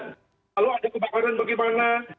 kalau ada kebakaran bagaimana